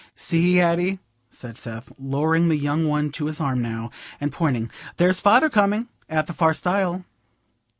"See, Addy," said Seth, lowering the young one to his arm now and pointing, "there's Father coming—at the far stile."